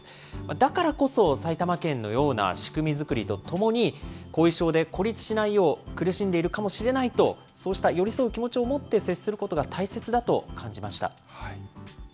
だからこそ、埼玉県のような仕組み作りとともに、後遺症で孤立しないよう、苦しんでいるかもしれないと、そうした寄り添う気持ちを持って接することが大切だと感じました。